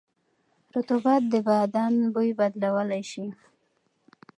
رطوبت د بدن بوی بدلولی شي.